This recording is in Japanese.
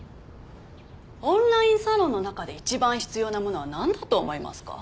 オンラインサロンの中で一番必要なものはなんだと思いますか？